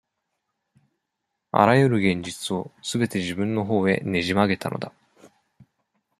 あらゆる現実を、すべて自分のほうへねじ曲げたのだ。